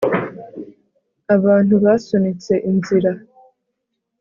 abantu basunitse inzira